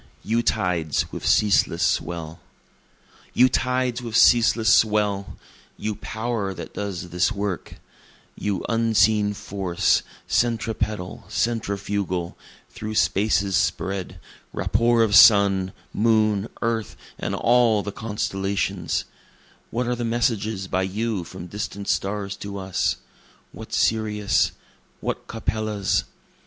[III] You Tides with Ceaseless Swell You tides with ceaseless swell! you power that does this work! You unseen force, centripetal, centrifugal, through space's spread, Rapport of sun, moon, earth, and all the constellations, What are the messages by you from distant stars to us? what Sirius'? what Capella's?